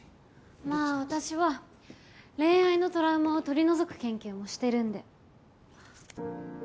まあ私は恋愛のトラウマを取り除く研究もしてるんで。